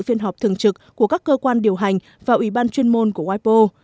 phiên họp thường trực của các cơ quan điều hành và ủy ban chuyên môn của wipo